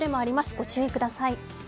ご注意ください。